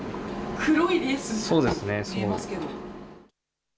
黒いレースみたいに見えますけど。